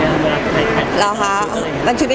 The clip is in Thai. เวลาใครถึงยังแกะของชุดแล้ว